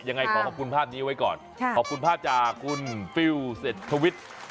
ยังไงขอขอบคุณภาพนี้ไว้ก่อนขอบคุณภาพจากคุณฟิลเศรษฐวิทย์